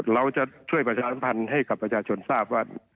เราจะช่วยประชาสัมพันธ์ให้กับประชาชนทราบว่า